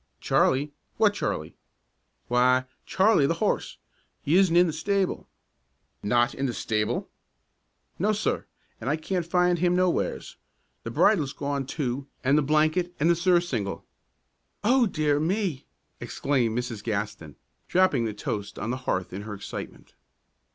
"Charlie? What Charlie?" "Why, Charlie the horse. He isn't in the stable." "Not in the stable?" "No, sir. An' I can't find him nowheres. The bridle's gone, too, an' the blanket an' the surcingle." "Oh, dear me!" exclaimed Mrs. Gaston, dropping the toast on the hearth in her excitement.